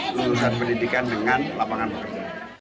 lulusan pendidikan dengan lapangan pekerja